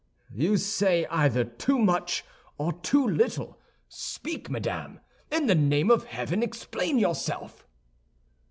"You say either too much or too little; speak, madame. In the name of heaven, explain yourself."